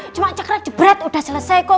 cuma cekrat jebret udah selesai kok